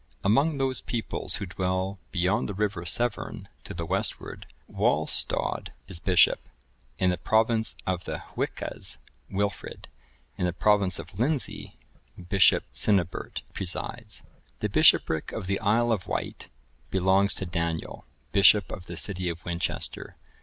(1017) Among those peoples who dwell beyond the river Severn to the westward,(1018) Walhstod is bishop; in the province of the Hwiccas, Wilfrid;(1019) in the province of Lindsey, Bishop Cynibert(1020) presides; the bishopric of the Isle of Wight(1021) belongs to Daniel, bishop of the city of Winchester.